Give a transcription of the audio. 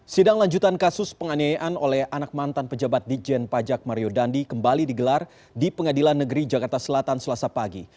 sidang lanjutan kasus penganiayaan oleh anak mantan pejabat di jen pajak mario dandi kembali digelar di pengadilan negeri jakarta selatan selasa pagi